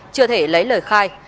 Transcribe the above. chưa thể lấy lời khai